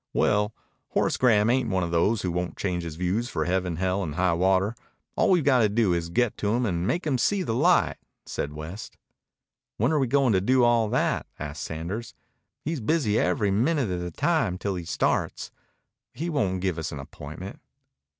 "Well, Horace Graham ain't one of those who won't change his views for heaven, hell, and high water. All we've got to do is to get to him and make him see the light," said West. "When are we going to do all that?" asked Sanders. "He's busy every minute of the time till he starts. He won't give us an appointment."